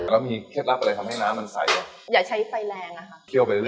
แล้วมีเคล็ดลับอะไรทำให้น้ำมันใสอ่ะอย่าใช้ไฟแรงอ่ะค่ะเคี่ยวไปเรื่อยเรื่อย